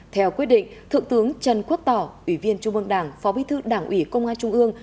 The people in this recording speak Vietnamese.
theo quyết định thượng tướng trần quốc tỏ ủy viên trung ương đảng phó bí thư đảng ủy công an trung ương